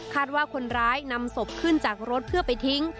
ว่าคนร้ายนำศพขึ้นจากรถเพื่อไปทิ้ง